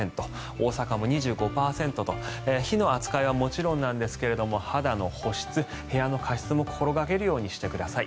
大阪も２５％と火の扱いはもちろんなんですが肌の保湿、部屋の加湿も心掛けるようにしてください。